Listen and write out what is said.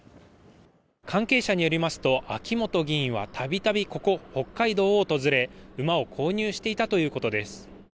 関係者によりますと秋本議員は度々ここ北海道訪れ馬を購入していたということです。